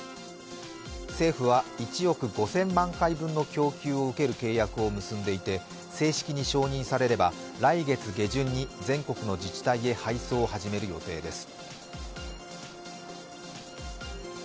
政府は１億５０００万回分の供給を受ける契約を結んでいて、正式に承認されれば来月下旬に全国の自治体へ配送を始める予定です。